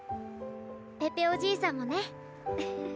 ペペおじいさんもねフフ。